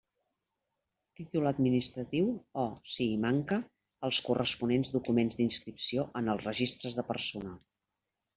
Títol administratiu o, si hi manca, els corresponents documents d'inscripció en els registres de Personal.